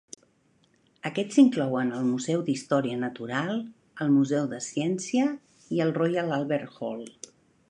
Aquests inclouen el Museu d'Història Natural, el Museu de Ciència i el Royal Albert Hall.